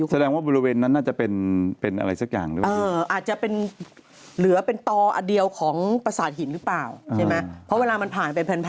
แสดงว่าบริเวณนั้นน่าจะเป็นอะไรสักอย่างหรือเปล่า